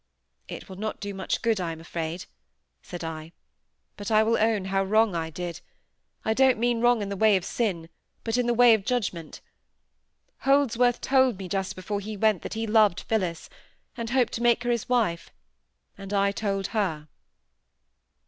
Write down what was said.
"It will not do much good, I am afraid," said I, "but I will own how wrong I did; I don't mean wrong in the way of sin, but in the way of judgment. Holdsworth told me just before he went that he loved Phillis, and hoped to make her his wife, and I told her."